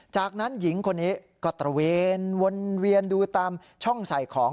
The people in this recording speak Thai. จากนั้นหญิงคนนี้ก็ตระเวนวนเวียนดูตามช่องใส่ของ